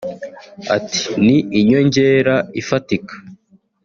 Ati ‘‘Ni inyongera ifatika